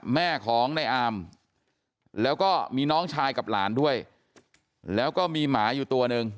แม่ของในอามแล้วก็มีน้องชายกับหลานด้วยแล้วก็มีหมาอยู่ตัวหนึ่ง